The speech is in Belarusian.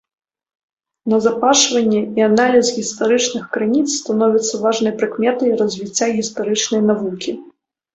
Назапашванне і аналіз гістарычных крыніц становіцца важнай прыкметай развіцця гістарычнай навукі.